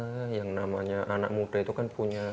ya yang namanya anak muda itu kan punya